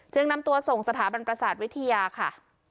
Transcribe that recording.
นำตัวส่งสถาบันประสาทวิทยาค่ะ